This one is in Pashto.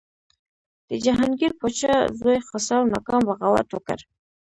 د جهانګیر پاچا زوی خسرو ناکام بغاوت وکړ.